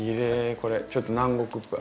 これちょっと南国っぽい。